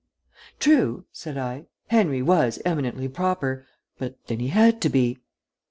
"True," said I. "Henry was eminently proper but then he had to be."